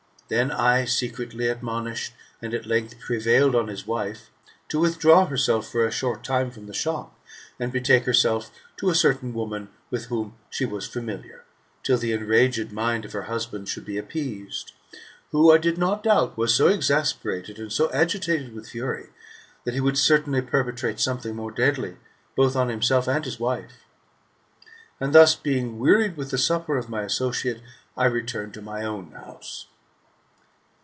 Then I secretly admonished, and at length prevailed on his wife, to withdraw herself for a short time from the shop, and betake herself to a certain woman with whom she was familiar, till the enraged mind of her husband should be appeased, who, I did not doubt, was so exasperated, and so agitated with fury, that he would certainly perpetrate something more deadly, both on himself and his wife. And thus, being wearied with the supper of my associate, I returned to my own house."